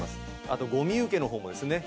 あとゴミ受けの方もですね。